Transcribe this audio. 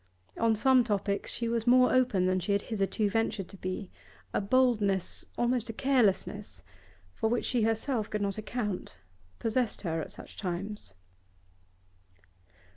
On some topics she was more open than she had hitherto ventured to be; a boldness, almost a carelessness, for which she herself could not account, possessed her at such times.